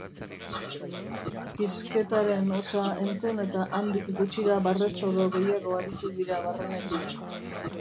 Kisketaren hotsa entzun eta handik gutxira barre zoro gehiago aditu dira barrenetik.